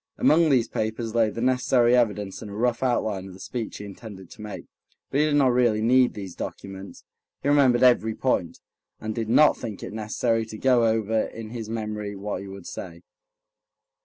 Among these papers lay the necessary evidence and a rough outline of the speech he intended to make. But he did not really need these documents. He remembered every point, and did not think it necessary to go over in his memory what he would say.